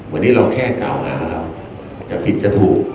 วันนี้เราแค่กล่าวหาว่าจะผิดจะถูก